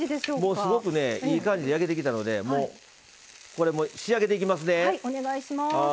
すごくいい感じで焼けてきたのでこれ、もう仕上げていきますね。